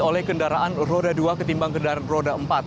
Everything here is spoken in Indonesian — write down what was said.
oleh kendaraan roda dua ketimbang kendaraan roda empat